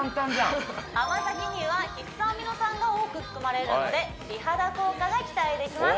甘酒には必須アミノ酸が多く含まれるので美肌効果が期待できます